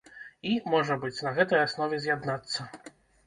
І, можа быць, на гэтай аснове з'яднацца.